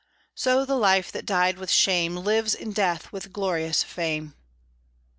So the life that died with shame Lives in death with glorious fame."